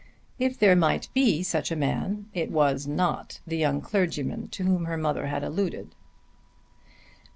If there might be such a man it was not the young clergyman to whom her mother had alluded.